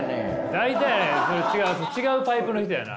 大体それ違うパイプの人やな！